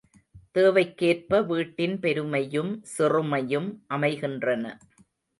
தேவைக்கேற்ப வீட்டின் பெருமையும் சிறுமையும் அமைகின்றன.